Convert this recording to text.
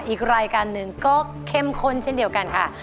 อีกรายการหนึ่งก็เข้มข้นเช่นเดียวกันค่ะ